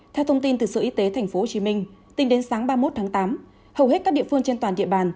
theo thông tin từ sở y tế tp hcm tính đến sáng ba mươi một tháng tám hầu hết các địa phương trên toàn địa bàn